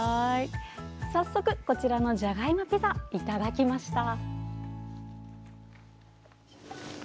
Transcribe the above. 早速こちらのじゃがいもピザ、いただきました。